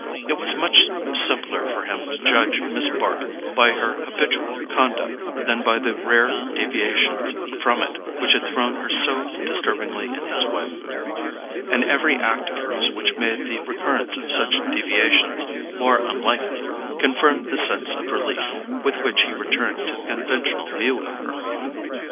It was much simpler for him to judge Miss Bart by her habitual conduct than by the rare deviations from it which had thrown her so disturbingly in his way; and every act of hers which made the recurrence of such deviations more unlikely, confirmed the sense of relief with which he returned to the conventional view of her.